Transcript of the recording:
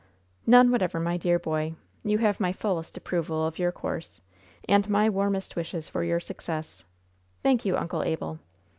"None whatever, my dear boy. You have my fullest approval of your course, and my warmest wishes for your success." "Thank you, Uncle Abel."